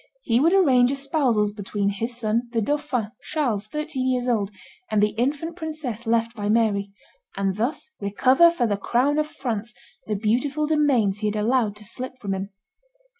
He would arrange espousals between his son, the dauphin, Charles, thirteen years old, and the infant princess left by Mary, and thus recover for the crown of France the beautiful domains he had allowed to slip from him.